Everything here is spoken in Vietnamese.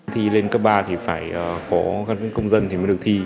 thì lên cấp ba thì phải có căn cấp công dân thì mới được thi